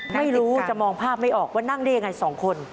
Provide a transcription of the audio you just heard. ไม่รู้จะมองภาพไม่ออกว่านั่งได้ยังไงสองคน